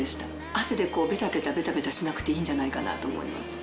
汗でベタベタベタベタしなくていいんじゃないかなと思います。